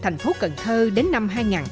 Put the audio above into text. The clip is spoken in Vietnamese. thành phố cần thơ đến năm hai nghìn hai mươi